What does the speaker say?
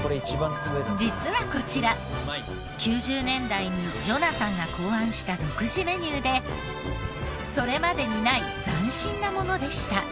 実はこちら９０年代にジョナサンが考案した独自メニューでそれまでにない斬新なものでした。